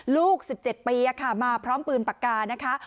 ลูก๑๗ปีมาพร้อมปืนปากกานะคะ